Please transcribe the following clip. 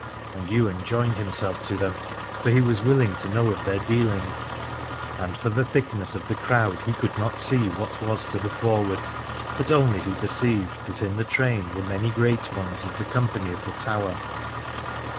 And Ywain joined himself to them, for he 308 Aladore was willing to know of their dealing: and for the thickness of the crowd he could not see what was to the forward, but only he perceived that in the train were many great ones of the company of the Tower.